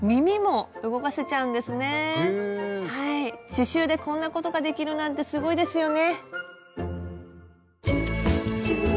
刺しゅうでこんなことができるなんてすごいですよね。